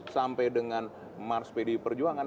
sampai dengan mars pdi perjuangan